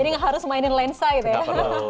jadi gak harus mainin lensa gitu ya